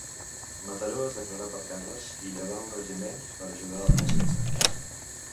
Mataró es declarà per Carles i llevà un regiment per ajudar en el setge.